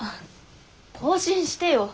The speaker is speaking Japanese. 更新してよ。